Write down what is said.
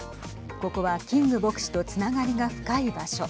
ここはキング牧師とつながりが深い場所。